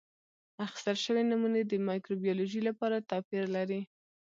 اخیستل شوې نمونې د مایکروبیولوژي لپاره توپیر لري.